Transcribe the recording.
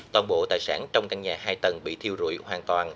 toàn bộ tài sản trong căn nhà hai tầng bị thiêu rụi hoàn toàn